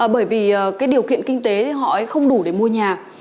bởi vì điều kiện kinh tế họ không đủ để mua nhà